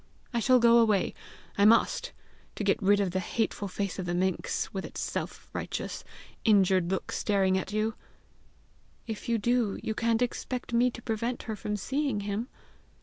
I shall go away, I must! to get rid of the hateful face of the minx, with its selfrighteous, injured look staring at you!" "If you do, you can't expect me to prevent her from seeing him!"